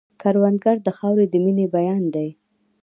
کروندګر د خاورې د مینې بیان دی